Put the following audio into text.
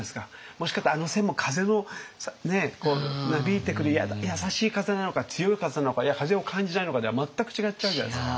もしかしたらあの線も風のなびいてくる優しい風なのか強い風なのか風を感じないのかでは全く違っちゃうじゃないですか。